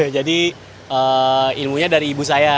jadi ilmunya dari ibu saya